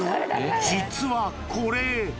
実はこれ。